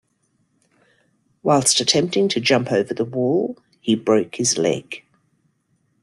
Whilst attempting to jump over the wall, he broke his leg.